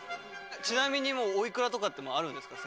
ちなみにお幾らとかってあるんですか？